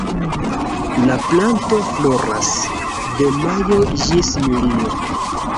La planto floras de majo ĝis julio.